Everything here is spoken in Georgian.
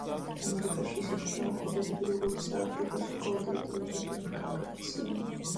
ამერიკაში ისეთ შემოქმედები, როგორიცაა პიკასო, კალდერი თუ როზენბერგი, კარგად იციან.